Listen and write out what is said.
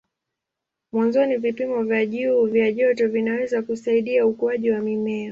Mwanzoni vipimo vya juu vya joto vinaweza kusaidia ukuaji wa mimea.